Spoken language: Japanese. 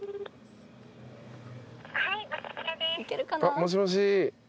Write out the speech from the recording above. もしもし。